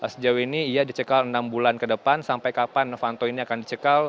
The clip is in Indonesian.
sejauh ini ia dicekal enam bulan ke depan sampai kapan novanto ini akan dicekal